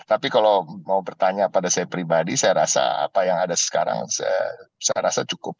tapi kalau mau bertanya pada saya pribadi saya rasa apa yang ada sekarang saya rasa cukup